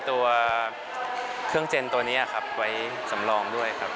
ตัวเครื่องเจนตัวนี้ครับไว้สำรองด้วยครับ